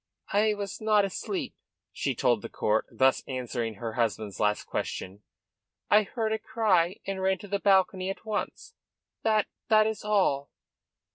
"I was not asleep," she told the court, thus answering her husband's last question. "I heard the cry, and ran to the balcony at once. That that is all."